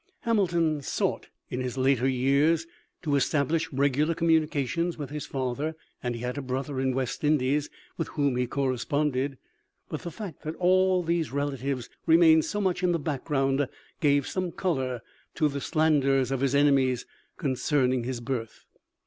Hamilton sought in his later years to establish regular communication with his father, and he had a brother in the West Indies with whom he corresponded; but the fact that all these relatives remained so much in the background gave some color to the slanders of his enemies concerning his birth.